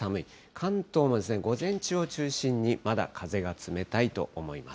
関東も午前中を中心に、まだ風が冷たいと思います。